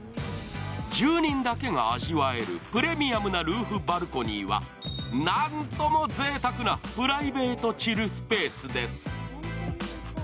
住人だけが味わえるプレミアムなルーフバルコニーはなんともぜいたくなプライベートチルスペースです。